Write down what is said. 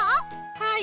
はい。